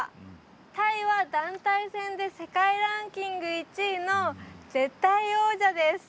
タイは団体戦で世界ランキング１位の絶対王者です。